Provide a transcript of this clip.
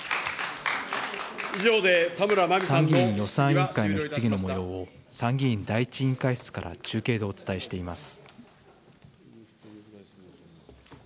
参議院予算委員会の質疑のもようを、参議院第１委員会室から中継でお伝えしています。